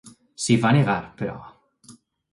S'hi va negar, però.